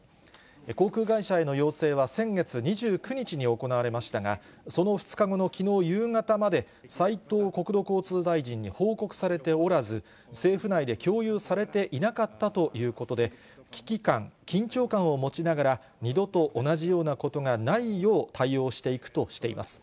航空会社への要請は先月２９日に行われましたが、その２日後のきのう夕方まで斉藤国土交通大臣に報告されておらず、政府内で共有されていなかったということで、危機感、緊張感を持ちながら、二度と同じようなことがないよう対応していくとしています。